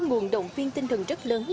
nguồn động viên tinh thần rất lớn